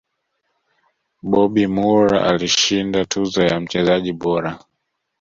bobby Moore alishinda tuzo ya mchezaji bora